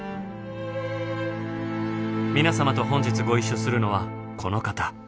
皆様と本日ご一緒するのはこの方。